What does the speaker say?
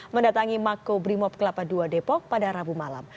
mendatangi mako brimob kelapa ii depok pada rabu malam